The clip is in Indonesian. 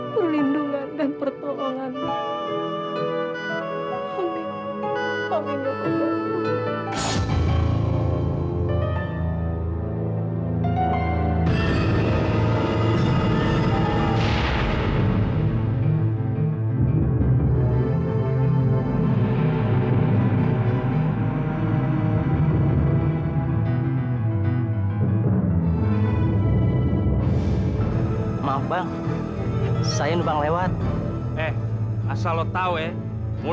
perlindungan dan pertolonganmu